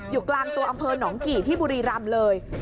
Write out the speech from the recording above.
อยู่กลางตัวอำเภอหนองกี่ที่บุรีรำเลย